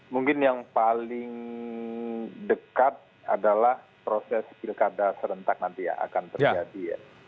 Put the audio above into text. mungkin yang paling dekat adalah proses pilkada serentak nanti ya akan terjadi ya